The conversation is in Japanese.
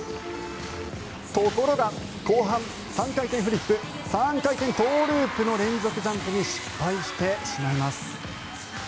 ところが後半、３回転フリップ３回転トウループの連続ジャンプに失敗してしまいます。